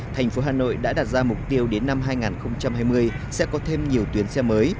thành phố hà nội đã đặt ra mục tiêu đến năm hai nghìn hai mươi sẽ có thêm nhiều tuyến xe mới